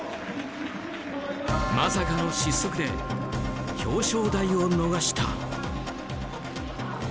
まさかの失速で表彰台を逃した。